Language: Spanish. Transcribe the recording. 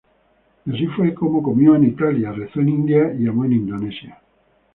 Y así fue como comió en Italia, rezó en India y amó en Indonesia.